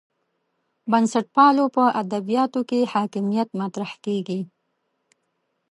بنسټپالو په ادبیاتو کې حاکمیت مطرح کېږي.